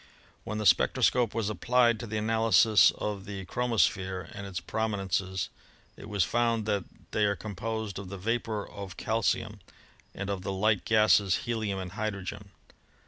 When the spectroscope was applied to the analysis of the chro mosphere and its prominences it was found that they are composed of the vapor of calcium and of the light gases helium and hydrogen.